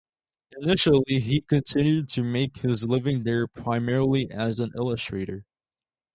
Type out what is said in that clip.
Initially he continued to make his living there primarily as an illustrator.